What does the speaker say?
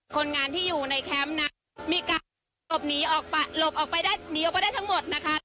คนงานที่อยู่ในแคมป์นั้นมีการหลบหนีออกไปได้ทั้งหมดนะคะ